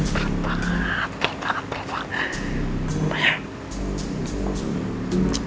berat banget berat banget berat banget